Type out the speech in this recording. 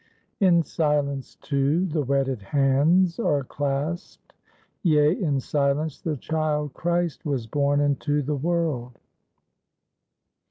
_ In silence, too, the wedded hands are clasped. Yea, in silence the child Christ was born into the world.